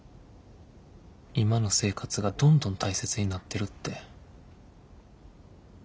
今の生活がどんどん大切になってるって。